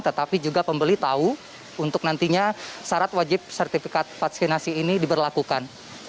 tetapi juga pembeli tahu untuk nantinya syarat wajib sertifikat vaksinasi ini diberlakukan